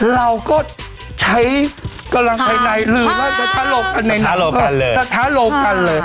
เราก็ใช้กำลังภายในหรือล่ะสถานการณ์เลย